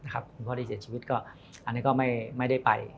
คุณพ่อที่เสียชีวิตก็อันนี้ก็ไม่ได้ไป